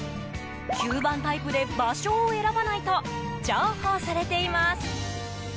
吸盤タイプで、場所を選ばないと重宝されています。